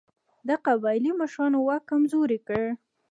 د قبایلي مشرانو واک کمزوری کړ.